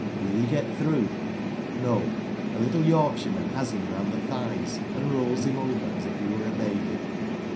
Will he get through? No ; a little Yorkshireman has him round the thighs, and rolls him over as if he were a baby.